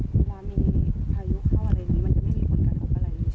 มันจะไม่มีผลกระทบอะไร